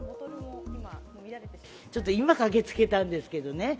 今駆けつけたんですけどね。